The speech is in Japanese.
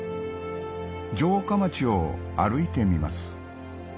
城下町を歩いてみます